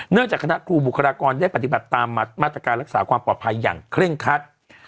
จากคณะครูบุคลากรได้ปฏิบัติตามมาตรการรักษาความปลอดภัยอย่างเคร่งคัด